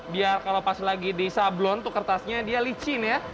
biar kalau pas lagi disablon tuh kertasnya dia licin ya